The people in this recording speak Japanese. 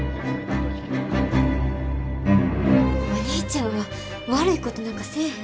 お兄ちゃんは悪いことなんかせえへん。